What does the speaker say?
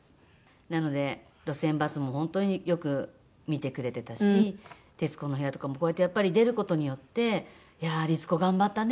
なので『路線バス』も本当によく見てくれてたし『徹子の部屋』とかもこうやってやっぱり出る事によって「いやあ律子頑張ったね」